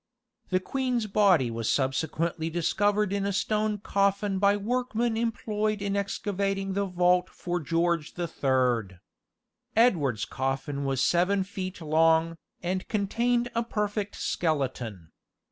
The queen's body was subsequently discovered in a stone coffin by the workmen employed in excavating the vault for George the Third. Edward's coffin was seven feet long, and contained a perfect skeleton.